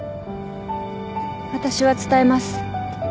私は伝えます。